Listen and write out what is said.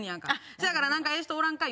そやからええ人おらんか？